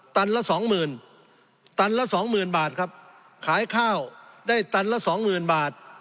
ละสองหมื่นตันละสองหมื่นบาทครับขายข้าวได้ตันละสองหมื่นบาท